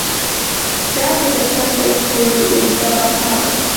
دا د بشر تر ټولو اوږده بقا ده.